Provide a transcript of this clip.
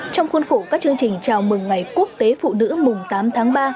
trong khuôn khổ các chương trình chào mừng ngày quốc tế phụ nữ mùng tám tháng ba